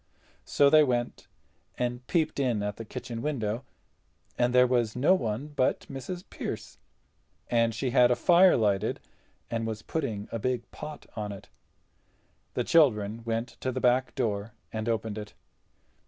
So they went and peeped in at the kitchen window, and there was no one but Mrs. Pearce, and she had a fire lighted and was putting a big pot on it. The children went to the back door and opened it.